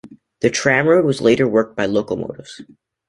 The tramroad was later worked by locomotives.